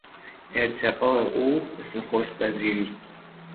ارتقا او به نخست وزیری